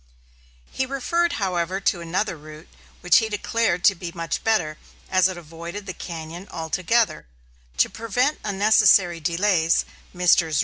BABCOCK)] He referred, however, to another route which he declared to be much better, as it avoided the cañon altogether. To prevent unnecessary delays, Messrs.